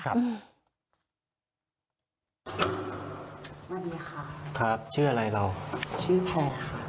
สวัสดีค่ะครับชื่ออะไรเราชื่อแพรค่ะ